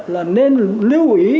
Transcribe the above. là nên lưu ý